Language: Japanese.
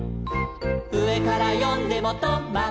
「うえからよんでもト・マ・ト」